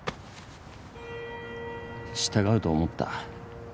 従うと思った？